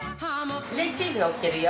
でチーズのっけるよ。